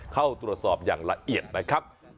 เข้าตรวจสอบอย่างละเอียดนะครับ